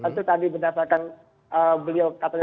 itu tadi berdasarkan beliau katanya